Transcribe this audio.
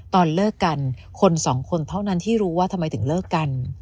ตอนเลิกกันคนสองคนเท่านั้นที่รู้ว่าทำไมถึงเลิกกัน